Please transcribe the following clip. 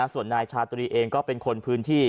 ส่วนนายชาตรีเองก็เป็นคนพื้นที่